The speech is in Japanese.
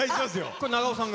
これ、長尾さんが？